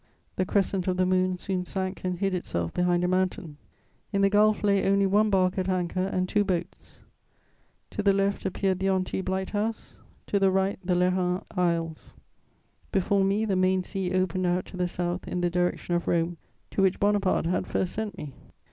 The crescent of the moon soon sank and hid itself behind a mountain. In the gulf lay only one bark at anchor, and two boats: to the left appeared the Antibes light house, to the right the Lérins Isles; before me, the main sea opened out to the South in the direction of Rome, to which Bonaparte had first sent me.